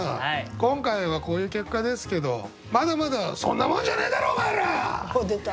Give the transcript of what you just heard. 今回はこういう結果ですけどまだまだそんなもんじゃねえだろお前ら！おっ出た！